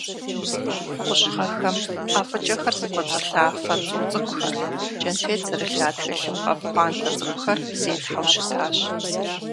Бгъущӏ гъэхэм, ӏэфӏыкӏэхэр зыкӏуэцӏылъа фэ цӏу цӏыкӏухэр, кӏэнфет зэрылъа тхылъымпӏэ пхъуантэ цӏыкӏухэр зетхьэу щытащ.